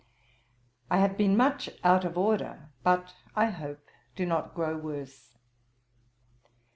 I have been much out of order, but, I hope, do not grow worse.